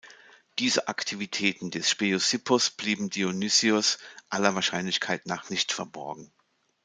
Diese Aktivitäten des Speusippos blieben Dionysios aller Wahrscheinlichkeit nach nicht verborgen.